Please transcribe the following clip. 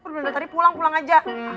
lu udah dari pulang pulang aja